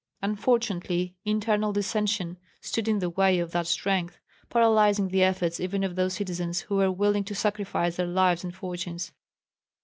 Unfortunately internal dissension stood in the way of that strength, paralyzing the efforts even of those citizens who were willing to sacrifice their lives and fortunes.